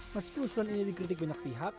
meski usulan ini dikritik banyak pihak